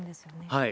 はい。